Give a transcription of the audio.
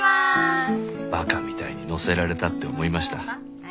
馬鹿みたいにのせられたって思いました。